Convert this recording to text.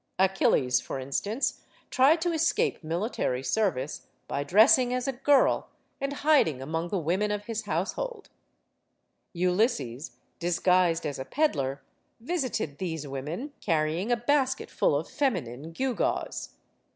Achilles, for instance, tried to 76 STORIES OF THE SUPER WOMEN escape military service by dressing as a girl and hiding among the women of his household. Ulysses, dis guised as a peddler, visited these women, carrying a basket full of feminine gewgaws.